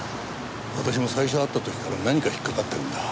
私も最初会った時から何か引っかかってるんだ。